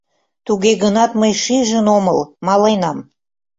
Туге гынат мый шижын омыл, маленам.